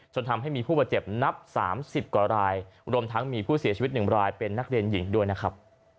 ทำให้มีผู้บาดเจ็บนับ๓๐กว่ารายรวมทั้งมีผู้เสียชีวิต๑รายเป็นนักเรียนหญิงด้วยนะครับ